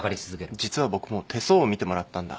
実は僕も手相を見てもらったんだ。